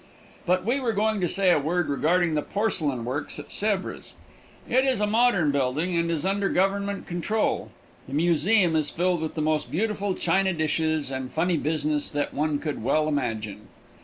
But we were going to say a word regarding the porcelain works at Sèvres. It is a modern building and is under government control. The museum is filled with the most beautiful china dishes and funny business that one could well imagine.